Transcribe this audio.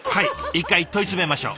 一回問い詰めましょう。